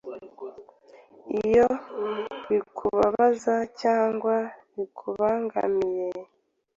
iyo bikubabaza cyangwa bikubangamiye